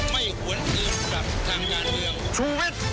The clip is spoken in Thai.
ไม่ควรเตรียมกับทางงานเดียว